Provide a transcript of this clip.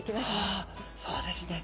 ああそうですね。